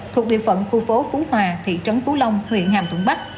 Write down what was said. thuộc địa phận khu phố phú hòa thị trấn phú long huyện hàm thuận bắc